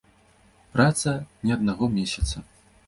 Праца не аднаго месяца.